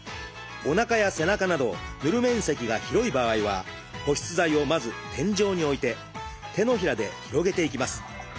おなかや背中など塗る面積が広い場合は保湿剤をまず点状に置いて手のひらで広げていきます。